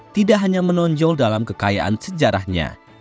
tidak hanya menonjol dalam kekayaan sejarahnya